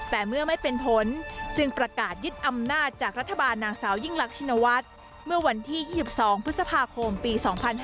แต่เมื่อไม่เป็นผลจึงประกาศยึดอำนาจจากรัฐบาลนางสาวยิ่งรักชินวัฒน์เมื่อวันที่๒๒พฤษภาคมปี๒๕๕๙